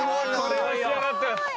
これは仕上がってます。